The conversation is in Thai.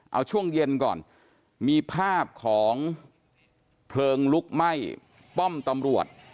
เอาช่วงเย็นก่อนมีภาพของเพลิงลุกไหม้ป้อมตำรวจ